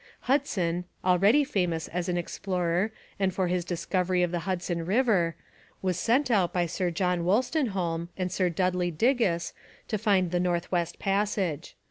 Hudson, already famous as an explorer and for his discovery of the Hudson river, was sent out by Sir John Wolstenholme and Sir Dudley Digges to find the North West Passage.